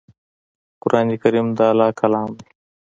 قران کریم د الله ج کلام دی